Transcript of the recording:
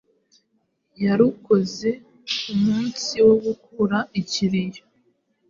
yarukoze ku munsi wo gukura ikiriyo